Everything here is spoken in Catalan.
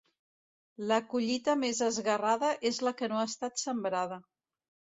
La collita més esguerrada és la que no ha estat sembrada.